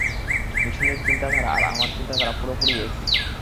মিঠুনের চিন্তাধারা আর আমার চিন্তাধারা পুরোপুরি একই।